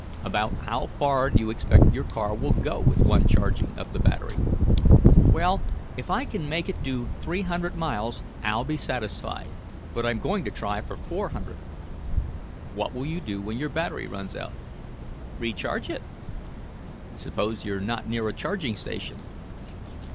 "About how far do you expect your car will go with one charging of the battery?" "Well, if I can make it do three hundred miles I'll be satisfied, but I'm going to try for four hundred." "What will you do when your battery runs out?" "Recharge it." "Suppose you're not near a charging station?"